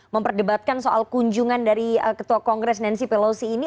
memperdebatkan soal kunjungan dari ketua kongres nancy pelosi ini